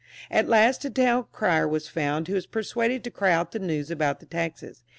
At last a town crier was found who was persuaded to cry out the news about the taxes.